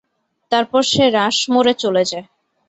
তারপর সে রাশমোরে চলে যায়।